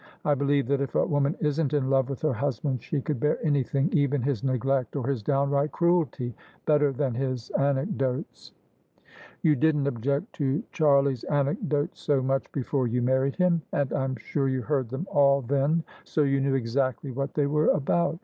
1 believe that if a woman isn't in love with her husband, she could bear anything— even his neglect or his downright cruelty — better than his anecdotes." " You didn't object to Charlie's anecdotes so much before you married him: and I'm sure you heard them all then, so you knew exactly what they were about.